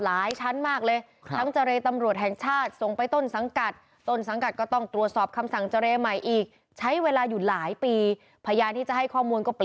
และอาจจะจึงยอดบุกค่ะ